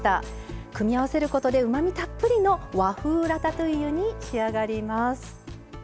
組み合わせることでうまみたっぷりの和風ラタトゥイユに仕上がります。